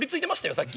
さっき。